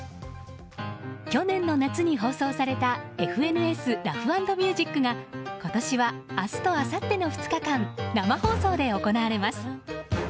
去年の夏に放送された「ＦＮＳラフ＆ミュージック」が今年は明日とあさっての２日間生放送で行われます。